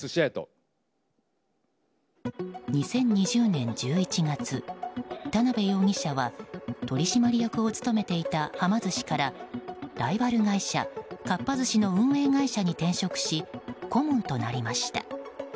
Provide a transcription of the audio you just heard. ２０２０年１１月田辺容疑者は取締役を務めていたはま寿司からライバル会社かっぱ寿司の運営会社に転職し顧問となりました。